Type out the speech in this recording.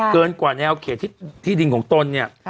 เกินแถวแนวเนี่ยเขตที่ดินของตนเนี่ย